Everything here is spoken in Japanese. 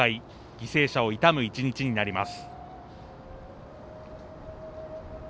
犠牲者を悼む１日になります。